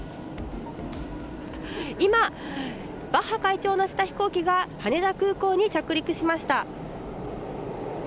今、バッハ会長を乗せた飛行機が羽田空港に着陸しました。